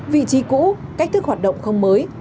vị trí cũ cách thức hoạt động không mới